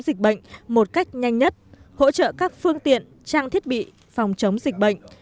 dịch bệnh một cách nhanh nhất hỗ trợ các phương tiện trang thiết bị phòng chống dịch bệnh